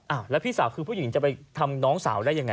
แล้วพี่สาวคือผู้หญิงจะไปทำน้องสาวได้ยังไง